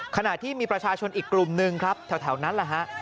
ขณะที่มีประชาชนอีกกลุ่มหนึ่งครับแถวนั้นแหละฮะ